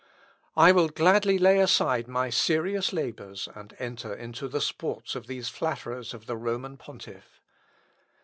"I will gladly lay aside my serious labours and enter into the sports of these flatterers of the Roman pontiff."